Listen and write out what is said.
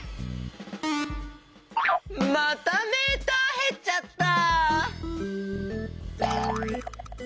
またメーターへっちゃった。